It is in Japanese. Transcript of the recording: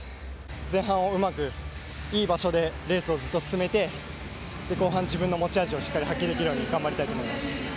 前半を、うまくいい場所でレースをずっと進めて後半、自分の持ち味をしっかり発揮できるように頑張りたいと思います。